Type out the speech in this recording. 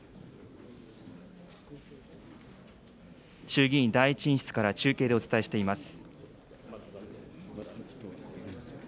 衆議院第１委員室から中継でお伝えしています。